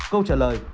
câu trả lời